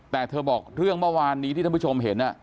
แต่เธอบอกเรื่องเมื่อวานนี้ที่ท่านผู้ชมเห็น